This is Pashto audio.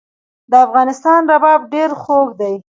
د افغانستان رباب ډیر خوږ دی